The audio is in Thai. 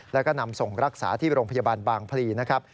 แล้วก็นำส่งรักษาที่โรงพยาบาลบางพลีนะครับ